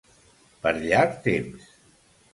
Per llarg temps.